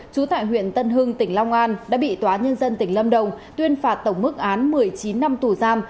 trú tại huyện tân hưng tỉnh long an đã bị tòa nhân dân tỉnh lâm đồng tuyên phạt tổng mức án một mươi chín năm tù giam